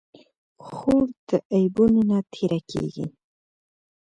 خور د عیبونو نه تېره کېږي.